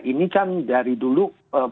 ini kan dari dulu